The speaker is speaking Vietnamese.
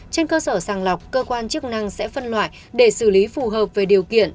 trên cơ sở sàng lọc cơ quan chức năng sẽ phân loại để xử lý phù hợp với điều kiện